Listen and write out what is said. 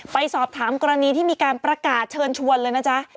ไปสอบถามกรณีที่มีการประกาศเชิญชวนเลยนะจ๊ะ